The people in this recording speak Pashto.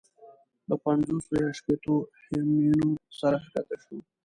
له پنځوس یا شپېتو همیونو سره کښته شو.